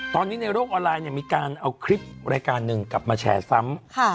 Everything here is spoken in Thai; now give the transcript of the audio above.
ตอนนี้ในโลกออนไลน์มีการเอาคลิปรายการหนึ่งกลับมาแชร์ซ้ำ